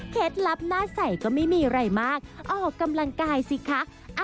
ลับหน้าใสก็ไม่มีอะไรมากออกกำลังกายสิคะ